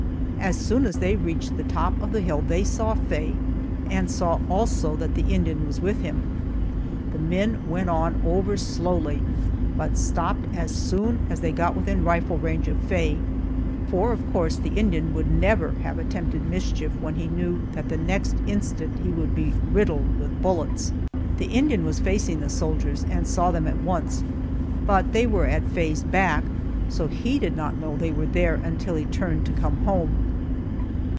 As soon as they reached the top of the hill they saw Faye, and saw also that the Indian was with him. The men went on over slowly, but stopped as soon as they got within rifle range of Faye, for of course the Indian would never have attempted mischief when he knew that the next instant he would be riddled with bullets. The Indian was facing the soldiers and saw them at once, but they were at Faye's back, so he did not know they were there until he turned to come home.